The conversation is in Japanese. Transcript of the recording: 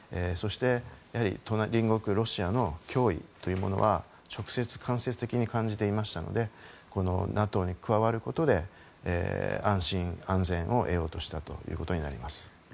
そして、隣国ロシアの脅威というものは直接、間接的に感じていましたのでＮＡＴＯに加わることで安心・安全を得ようとしたということになります。